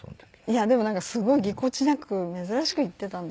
いやでもなんかすごいぎこちなく珍しく言ってたんですね。